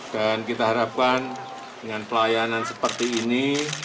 dan kita harapkan dengan pelayanan seperti ini